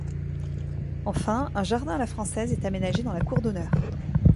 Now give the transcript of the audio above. Enfin, un jardin à la française est aménagé dans la cour d'honneur.